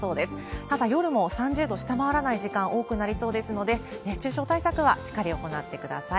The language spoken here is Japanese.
また、夜も３０度下回らない時間、多くなりそうですので、熱中症対策はしっかり行ってください。